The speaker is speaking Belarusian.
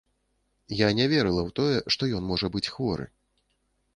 Я не верыла ў тое, што ён можа быць хворы.